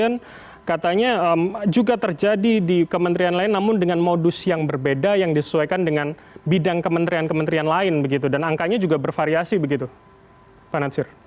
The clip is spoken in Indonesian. karena katanya juga terjadi di kementerian lain namun dengan modus yang berbeda yang disesuaikan dengan bidang kementerian kementerian lain begitu dan angkanya juga bervariasi begitu pak natsir